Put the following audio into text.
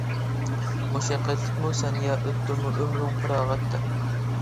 مۇشەققەتلىكمۇ سەن يا ئۆتتىمۇ ئۆمرۈڭ پاراغەتتە.